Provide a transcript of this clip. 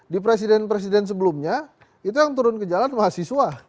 di presiden presiden sebelumnya itu yang turun ke jalan mahasiswa